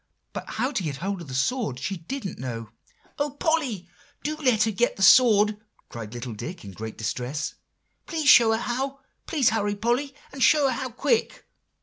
But how to get hold of the sword, she didn't know." "O Polly, do let her get that sword!" cried little Dick in great distress. "Please show her how. Please hurry, Polly, and show her how quick."